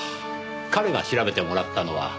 彼が調べてもらったのは。